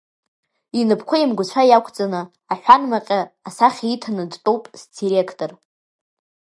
Инапқәа имгәацәа иақәҵаны, аҳәан макьа асахьа иҭаны дтәоуп сдиректор.